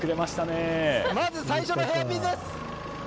まず最初のヘアピンです。